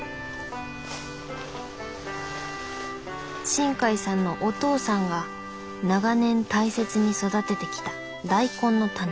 新海さんのお父さんが長年大切に育ててきた大根のタネ。